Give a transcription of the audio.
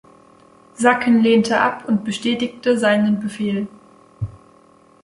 Sacken lehnte ab und bestätigte seinen Befehl.